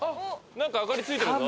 何か明かりついてるぞ。